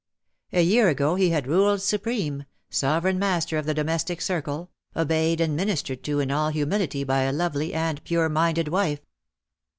A year ago he had ruled supreme, sovereign master of the domestic circle, obeyed and ministered to in all humility by a lovely and pure minded wife.